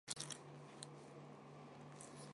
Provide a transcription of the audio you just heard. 父亲近藤壮吉是律师则为藩士之后。